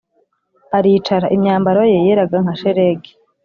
aricara Imyambaro ye yeraga nka shelegi